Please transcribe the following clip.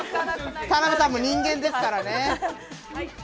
田辺さんも人間ですからね。